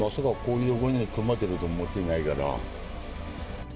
まさかこういう所にクマ出ると思っていないから。